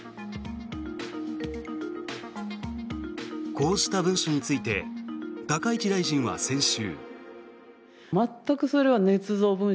こうした文書について高市大臣は先週。